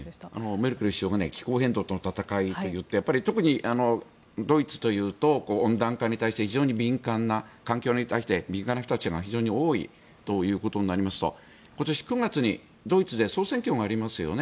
メルケル首相が気候変動との闘いといって特に、ドイツというと温暖化に対して非常に敏感な、環境に対して敏感な人たちが非常に多いということになりますと今年９月にドイツで総選挙がありますよね。